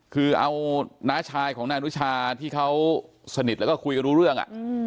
คือเอาน้าชายของนายอนุชาที่เขาสนิทแล้วก็คุยกันรู้เรื่อง